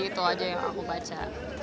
itu aja yang aku baca